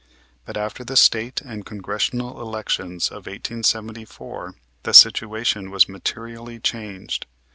But after the State and Congressional elections of 1874 the situation was materially changed.